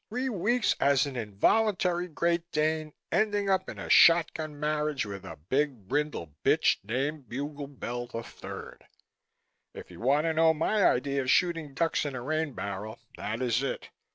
Three weeks as an involuntary Great Dane, ending up in a shot gun marriage with a big brindle bitch named Buglebell III! If you want to know my idea of shooting ducks in a rain barrel, that is it.